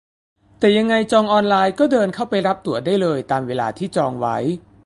แต่ยังไงจองออนไลน์ก็เดินเข้าไปรับตั๋วได้เลยตามเวลาที่จองไว้